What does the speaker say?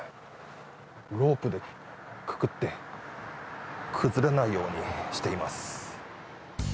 ロープでくくって崩れないようにしています。